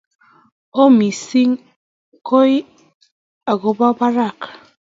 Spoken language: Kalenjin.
Oo missing' koi akopo parak